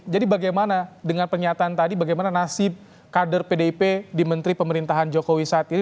jadi bagaimana dengan pernyataan tadi bagaimana nasib kader pdip di menteri pemerintahan jokowi saat ini